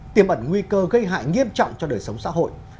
tiềm ẩn nguy cơ gây hại nghiêm trọng cho đời sống xã hội